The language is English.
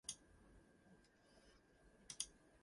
Five volunteer fire companies protect the Town of Lewiston.